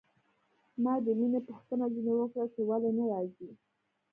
ما د مينې پوښتنه ځنې وکړه چې ولې نه راځي.